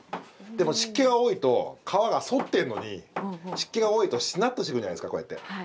でも湿気が多いと皮が反ってるのに湿気が多いとしなっとしてくるじゃないですかこうやって。